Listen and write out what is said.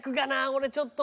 俺ちょっと。